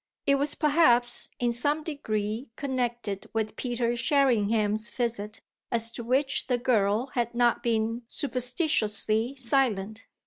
It was perhaps in some degree connected with Peter Sherringham's visit, as to which the girl had not been superstitiously silent.